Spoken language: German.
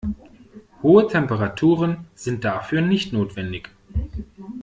Hohe Temperaturen sind dafür nicht notwendig.